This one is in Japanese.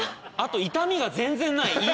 あと痛みが全然ない。